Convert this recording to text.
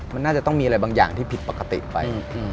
มันน่าจะต้องมีอะไรบางอย่างที่ผิดปกติไป